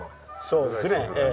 そうですねええ。